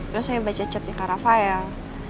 terus saya baca chatnya karafael